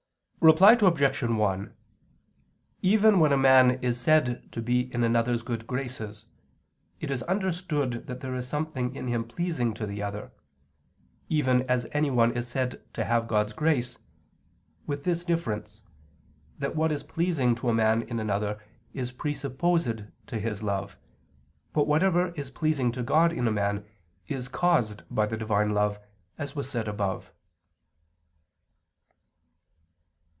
Reply Obj. 1: Even when a man is said to be in another's good graces, it is understood that there is something in him pleasing to the other; even as anyone is said to have God's grace with this difference, that what is pleasing to a man in another is presupposed to his love, but whatever is pleasing to God in a man is caused by the Divine love, as was said above.